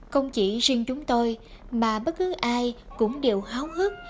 không chỉ riêng chúng tôi mà bất cứ ai cũng đều háo hức